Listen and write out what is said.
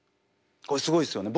これすごいですよね。